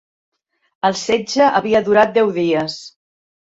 El setge havia durat deu dies.